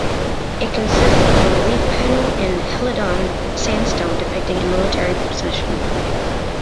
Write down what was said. It consists of a relief panel in Helidon sandstone depicting a military procession.